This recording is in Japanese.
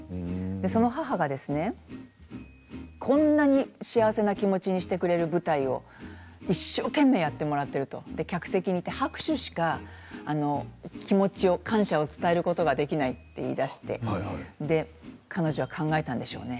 そんな母が、こんなに幸せな気持ちにしてくれる舞台を一生懸命やってくれていると客席にいて拍手しか気持ちを感謝を伝えることができないと言いだして彼女は考えたんでしょうね。